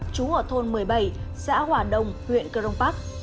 trú ở thôn một mươi bảy xã hòa đông huyện cờ rông bắc